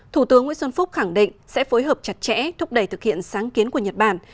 thủ tướng nguyễn xuân phúc khẳng định sẽ phối hợp chặt chẽ thúc đẩy thực hiện sáng kiến của nhật bản